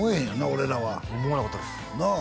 俺らは思わなかったですなあ